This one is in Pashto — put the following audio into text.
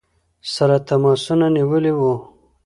سره تماسونه نیولي ؤ.